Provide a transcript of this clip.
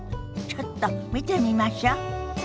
ちょっと見てみましょ。